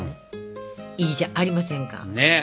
いいじゃありませんか！ね！